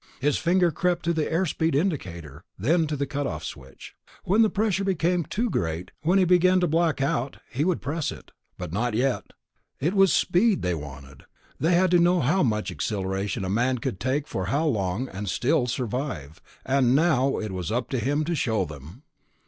His finger crept to the air speed indicator, then to the cut off switch. When the pressure became too great, when he began to black out, he would press it. But not yet. It was speed they wanted; they had to know how much accelleration a man could take for how long and still survive, and now it was up to him to show them.